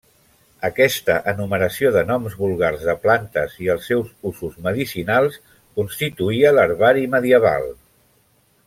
Aquesta enumeració de noms vulgars de plantes i els seus usos medicinals constituïa l'herbari medieval.